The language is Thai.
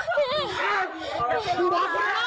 พี่พี่พี่รู้หรอพี่